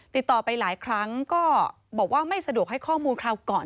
ติดต่อไปหลายครั้งก็บอกว่าไม่สะดวกให้ข้อมูลคราวก่อน